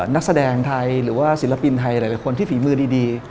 นักแสดงไทยหรือว่าศิลปินไทยหลายคนที่ฝีมือดี